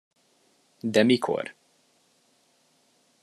De mikor!